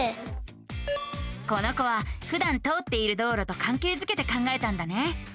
この子はふだん通っている道路とかんけいづけて考えたんだね。